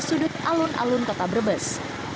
sudut alun alun kota brebes